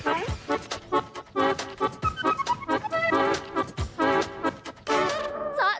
ยืมเคล็ดแล้ววันหวาน